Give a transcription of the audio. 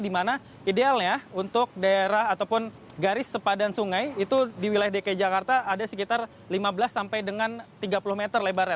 di mana idealnya untuk daerah ataupun garis sepadan sungai itu di wilayah dki jakarta ada sekitar lima belas sampai dengan tiga puluh meter lebarnya